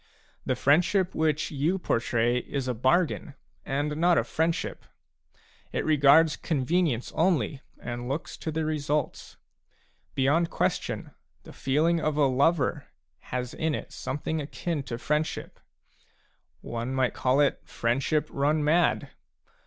The friendship which you portray is a bargain and not a friendship ; it regards convenience only, and looks to the results. Beyond question the feel ing of a lover has in it something akin to friendship ; one might call it friendship run mad.